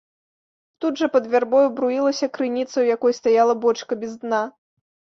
Тут жа пад вярбою бруілася крыніца, у якой стаяла бочка без дна.